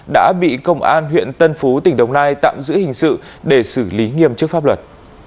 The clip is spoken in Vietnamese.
đã bị công an huyện tân phú tỉnh đồng nai tạm giữ hình sự để xử lý nghiêm chức pháp luật